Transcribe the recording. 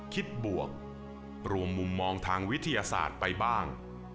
บวกรวมมุมมองทางวิทยาศาสตร์ไปบ้าง